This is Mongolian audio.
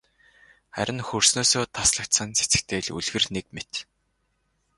Харин хөрснөөсөө таслагдсан цэцэгтэй л үлгэр нэг мэт.